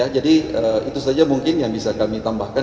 jadi itu saja mungkin yang bisa kami tambahkan